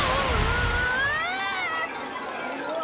うわ！